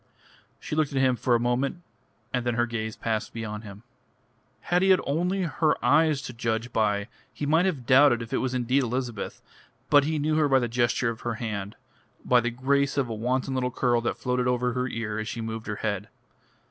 She looked at him for a moment, and then her gaze passed beyond him. Had he had only her eyes to judge by he might have doubted if it was indeed Elizabeth, but he knew her by the gesture of her hand, by the grace of a wanton little curl that floated over her ear as she moved her head.